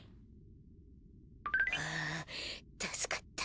はあたすかった。